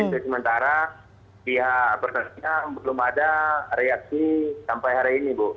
sementara pihak aparatnya belum ada reaksi sampai hari ini bu